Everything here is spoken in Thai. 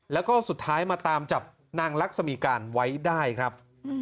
แล้วก็สุดท้ายมาตามจับนางลักษมีการไว้ได้ครับ